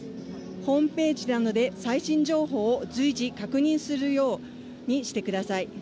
ホームページなどで最新情報を随時、確認するようにしてください。